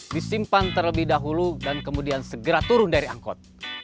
disimpan terlebih dahulu dan kemudian segera turun dari angkot